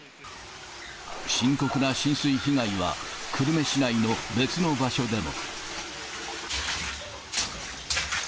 深刻な浸水被害は、久留米市内の別の場所でも。